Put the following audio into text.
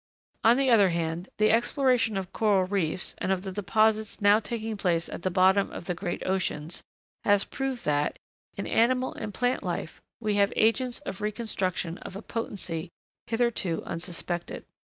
On the other hand, the exploration of coral reefs and of the deposits now taking place at the bottom of the great oceans, has proved that, in animal and plant life, we have agents of reconstruction of a potency hitherto unsuspected.